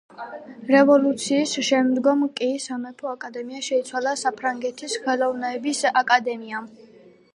რევოლუციის შემდგომ კი სამეფო აკადემია შეცვალა საფრანგეთის ხელოვნების აკადემიამ.